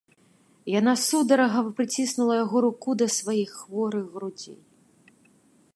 Яна сударгава прыціснула яго руку да сваіх хворых грудзей.